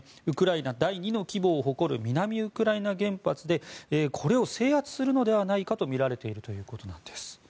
ウクライナ第２の規模を誇る南ウクライナ原発を制圧するのではないかとみられているということです。